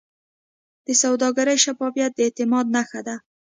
د سوداګرۍ شفافیت د اعتماد نښه ده.